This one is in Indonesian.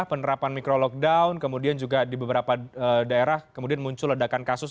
penerapan micro lockdown kemudian juga di beberapa daerah kemudian muncul ledakan kasus